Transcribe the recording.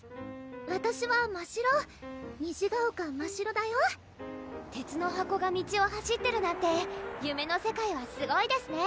わたしはましろ虹ヶ丘ましろだよ鉄の箱が道を走ってるなんて夢の世界はすごいですね！